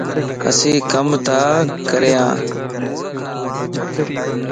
اسين ڪم تا ڪريان